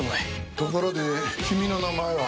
ところで君の名前は？